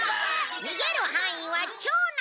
逃げる範囲は町内。